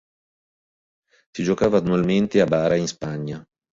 Si giocava annualmente a Bara in Spagna.